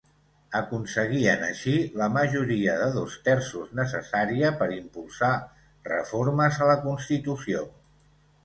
Aconseguien així la majoria de dos terços necessària per impulsar reformes a la constitució.